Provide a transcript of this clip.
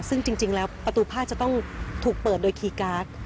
ซึ่งจริงแล้วประตูผ้าจะต้องถูกเปิดโดยคีย์การ์ด